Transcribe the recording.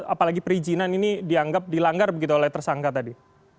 apalagi perizinan ini dianggap dilanggar begitu oleh tersangka tadi